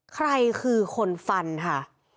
ใครคือคนฟันค่ะ